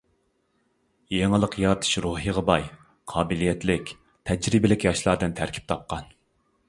يېڭىلىق يارىتىش روھىغا باي، قابىلىيەتلىك، تەجرىبىلىك ياشلاردىن تەركىب تاپقان.